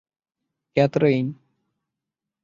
Katherine!